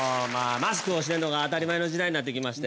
マスクをしてるのが当たり前の時代になってきまして。